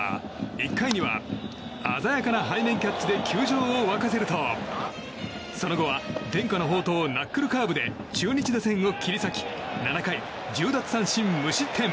１回には、鮮やかな背面キャッチで球場を沸かせるとその後は伝家の宝刀ナックルカーブで中日打線を切り裂き７回１０奪三振無失点。